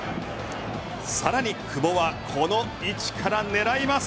さらに久保はこの位置から狙います。